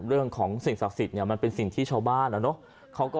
เรื่องของสิ่งศักดิ์สิทธิ์เนี่ยมันเป็นสิ่งที่ชาวบ้านอะเนาะ